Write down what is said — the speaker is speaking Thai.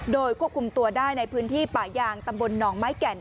โดยควบคุมตัวได้ในพื้นที่ป่ายางตำบลหนองไม้แก่น